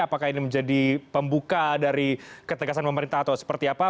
apakah ini menjadi pembuka dari ketegasan pemerintah atau seperti apa